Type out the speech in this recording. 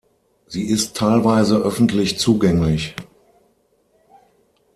Sie ist teilweise öffentlich zugänglich.